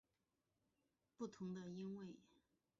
普雷佩查语中的轻重读是不同的音位。